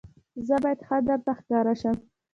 زه باید ښه درته ښکاره شم.